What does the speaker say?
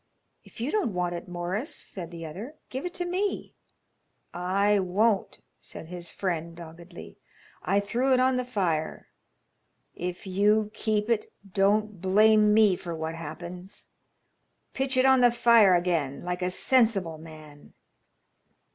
"If you don't want it, Morris," said the other, "give it to me." "I won't," said his friend, doggedly. "I threw it on the fire. If you keep it, don't blame me for what happens. Pitch it on the fire again like a sensible man."